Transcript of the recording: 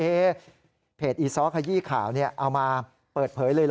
เพจอีซ้อขยี้ข่าวเอามาเปิดเผยเลยเหรอ